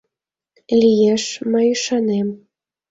— Лиеш, мый ӱшанем.